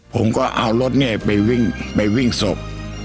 ผมก็เอารถเนี่ยไปวิ่งไปวิ่งศพ